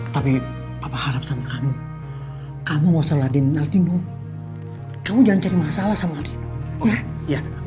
tapi papa harap sama kamu kamu gak usah ladin aldino kamu jangan cari masalah sama aldino